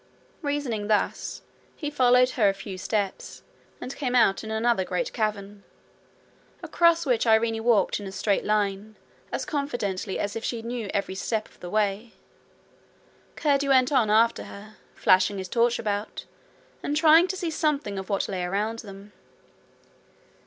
Reasoning thus, he followed her a few steps, and came out in another great cavern, across which Irene walked in a straight line, as confidently as if she knew every step of the way. Curdie went on after her, flashing his torch about, and trying to see something of what lay around them.